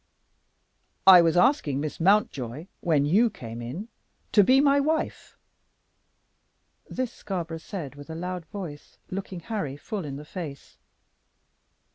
"I was asking Miss Mountjoy, when you came in, to be my wife." This Scarborough said with a loud voice, looking Harry full in the face.